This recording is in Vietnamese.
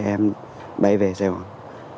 em bay về xe hoàng